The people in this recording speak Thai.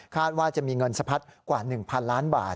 ว่าจะมีเงินสะพัดกว่า๑๐๐๐ล้านบาท